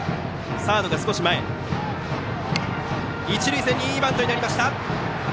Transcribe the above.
一塁線にいいバントになりました。